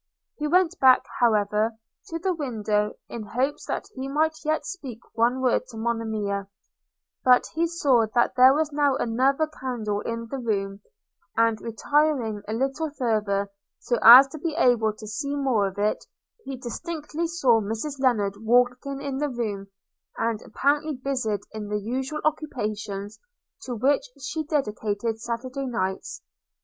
He went back, however, to the window, in hopes that he might yet speak one word to Monimia, but he saw that there was now another candle in the room; and, retiring a little farther so as to be able to see more of it, he distinctly saw Mrs Lennard walking in the room, and apparently busied in the usual occupations to which she dedicated Saturday nights.